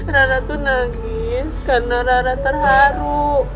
rara itu nangis karena rara terharu